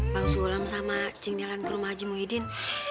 bang sulam sama cingnelan ke rumah haji muhyiddin